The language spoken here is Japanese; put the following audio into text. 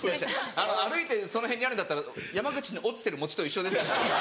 歩いてその辺にあるんだったら山口に落ちてる餅と一緒ですよ。